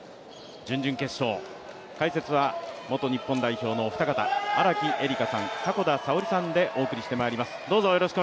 準々決勝、解説は元日本代表のお二方、荒木絵里香さん、迫田さおりさんでお送りしてまいります。